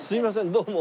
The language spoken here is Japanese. どうも。